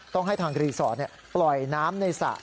ต้องให้ทางรีสอร์ทปล่อยน้ำในสระ